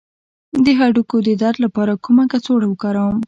د هډوکو د درد لپاره کومه کڅوړه وکاروم؟